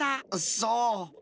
そう。